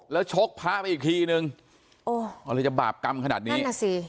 แล้วชกพระมาอีกทีนึงโอ้อะไรจะบาปกรรมขนาดนี้นั่นสิ